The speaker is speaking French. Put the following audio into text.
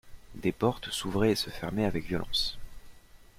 Des portes s'ouvraient et se fermaient avec violence.